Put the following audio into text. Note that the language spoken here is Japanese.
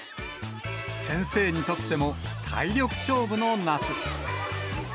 先生にとっても体力勝負の夏。